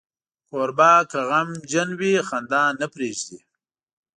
کوربه که غمجن وي، خندا نه پرېږدي.